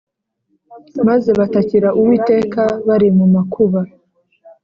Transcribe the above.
Maze batakira uwiteka bari mumakuba